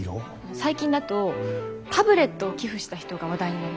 最近だとタブレットを寄付した人が話題になりました。